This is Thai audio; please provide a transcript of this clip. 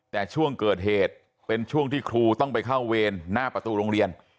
แต่ช่วงเกิดเหตุเป็นช่วงที่ครูต้องไปเข้าเวรหน้าประตูโรงเรียน